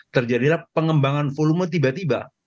terjadilah pengembangan volume tiba tiba